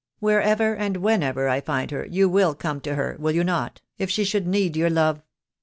Wherever and whenever I find her you will come to her, will you not, if she should need your love?"